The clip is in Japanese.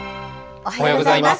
おはようございます。